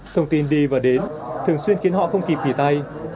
thông tin đi và đến thường xuyên khiến họ không kịp nghỉ tay